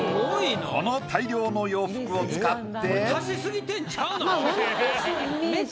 この大量の洋服を使って。